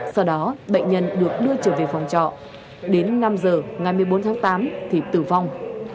sau đó bệnh nhân được đưa trở về phòng trọ đến năm giờ ngày một mươi bốn tháng tám thì tử vong